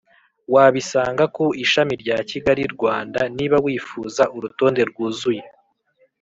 Wabisanga ku Ishami rya Kigali Rwanda Niba wifuza urutonde rwuzuye